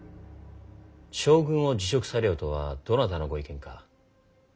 将軍を辞職されよとはどなたのご意見か？